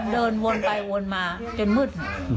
เดินวนไปวนมาจนมืด